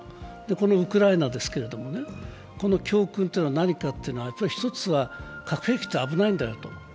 このウクライナですけれども、教訓というのは何かというと、１つは核兵器は危ないんだよと。